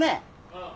ああ。